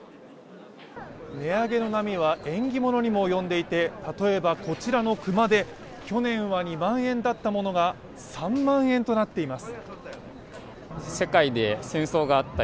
値上げの波は縁起物にも及んでいて例えばこちらの熊手、去年は２万円だったものが３万円となっています。